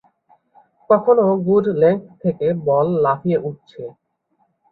কখনো good length থেকে ball লাফিয়ে উঠছে।